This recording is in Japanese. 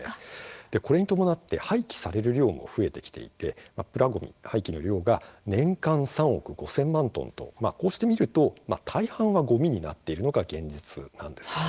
これに伴って、廃棄される量も増えてきていてプラごみ、廃棄の量が年間３億５０００万トンとこうして見ると大半は、ごみになっているのが現実なんです。